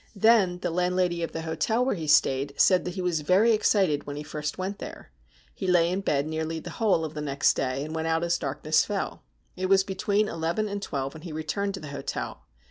Then the landlady of the hotel where he stayed said that he was very excited when he first went there. He lay in bed nearly the whole of the next day, and went out as darkness fell. It was between eleven and twelve when he returned to the hotel.